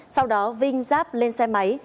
sau đó vinh giáp lên xe máy